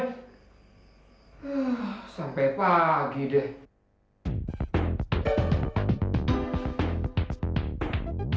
hai sampai pagi deh